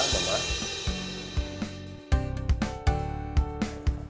salam samban tante fanny